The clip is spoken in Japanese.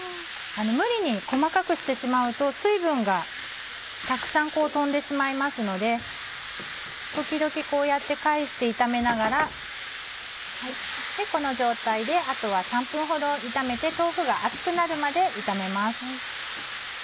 無理に細かくしてしまうと水分がたくさん飛んでしまいますので時々こうやって返して炒めながらこの状態であとは３分ほど炒めて豆腐が熱くなるまで炒めます。